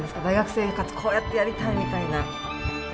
大学生活こうやってやりたいみたいな。